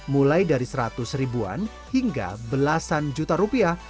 mulai dari seratus ribuan hingga belasan juta rupiah